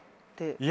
いや。